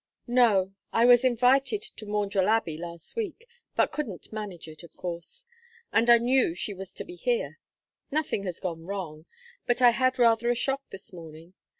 "No, I was invited to Maundrell Abbey last week, but couldn't manage it, of course. And I knew she was to be here. Nothing has gone wrong but I had rather a shock this morning.